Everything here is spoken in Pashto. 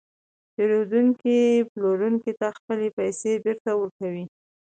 پېرودونکی پلورونکي ته خپلې پیسې بېرته ورکوي